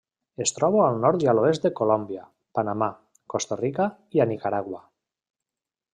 Es troba al nord i a l'oest de Colòmbia, Panamà, Costa Rica i a Nicaragua.